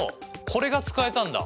これが使えたんだ。